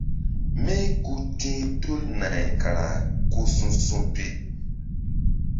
Mí ku ti̧h tul nay kara ku su̧su̧pi.